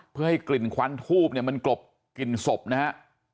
เพื่อให้กลิ่นควันทูบเนี่ยมันกลบกลิ่นศพนะฮะ